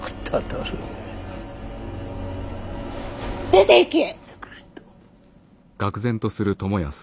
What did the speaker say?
出ていけ！